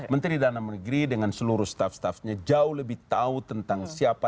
menteri dalam negeri dengan seluruh staff staffnya jauh lebih tahu tentang siapa